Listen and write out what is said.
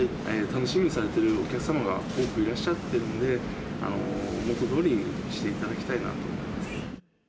楽しみにされてるお客様が多くいらっしゃってるんで、元どおりにしていただきたいなと思います。